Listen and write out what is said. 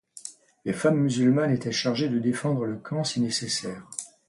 Les femmes musulmanes étaient chargées de défendre le camp si nécessaire.